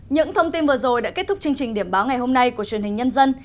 những thông tin vừa rồi đã kết thúc chương trình điểm báo ngày hôm nay của truyền hình nhân dân